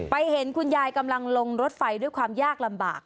เห็นคุณยายกำลังลงรถไฟด้วยความยากลำบาก